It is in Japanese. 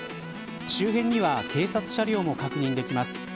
周辺には警察車両も確認できます。